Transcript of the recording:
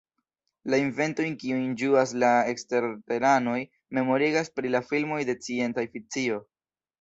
La inventoj kiujn ĝuas la eksterteranoj memorigas pri la filmoj de scienc-fikcio.